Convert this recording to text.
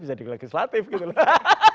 bisa di legislatif gitu loh